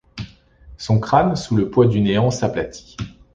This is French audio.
Son crâne sous le poids du néant s’aplatit ;